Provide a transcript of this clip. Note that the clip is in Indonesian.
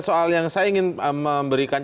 soal yang saya ingin memberikan